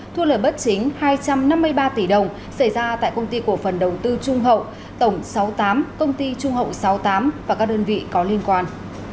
thu lời bất chính hai trăm năm mươi ba tỷ đồng xảy ra tại công ty cổ phần đầu tư trung hậu tổng sáu mươi tám công ty trung hậu sáu mươi tám và các đơn vị có liên quan